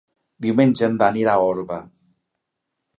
Diumenge en Dan irà a Orba.